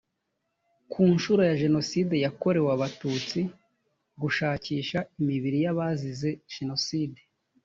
ku nshuro ya jenoside yakorewe abatutsi gushakisha imibiri y abazize jenoside